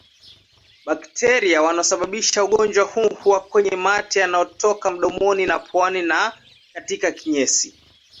Bakteria wanaosababisha ugonjwa huu huwa kwenye mate yanayotoka mdomoni na puani na katika kinyesi